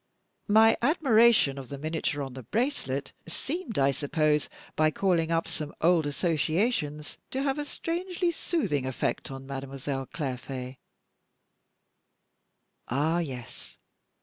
"My admiration of the miniature on the bracelet seemed I suppose, by calling up some old associations to have a strangely soothing effect on Mademoiselle Clairfait." "Ah yes!